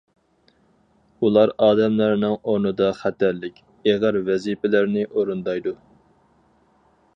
ئۇلار ئادەملەرنىڭ ئورنىدا خەتەرلىك، ئېغىر ۋەزىپىلەرنى ئورۇندايدۇ.